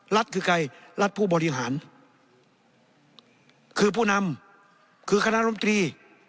คือใครรัฐผู้บริหารคือผู้นำคือคณะรมตรี